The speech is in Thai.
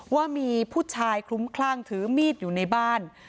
ว่ามีผู้ชายคลุ้มคลั่งถือมีดอยู่ในบ้าน